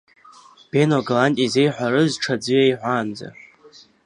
Бено Галантиа изиеиҳәарыз ҽаӡәы иеиҳәаанӡа?